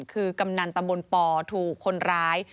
คือกำนันตำบลปถูกคนร้าย